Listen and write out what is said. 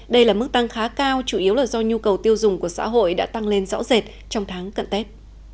đây là mức tăng khá cao chủ yếu là do nhu cầu tiêu dùng của xã hội đã tăng lên rõ rệt trong tháng cận tết